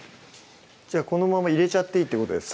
このまま入れちゃっていいってことですか？